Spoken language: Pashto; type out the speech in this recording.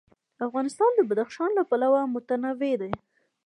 افغانستان د بدخشان له پلوه متنوع دی.